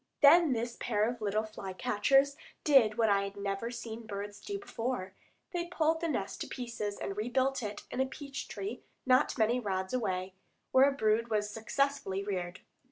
Then this pair of little fly catchers did what I had never seen birds do before; they pulled the nest to pieces and rebuilt it in a peach tree not many rods away, where a brood was successfully reared.